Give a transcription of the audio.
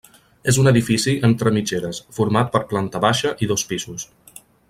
És un edifici entre mitgeres, format per planta baixa i dos pisos.